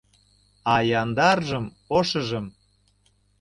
А яндаржым, ошыжым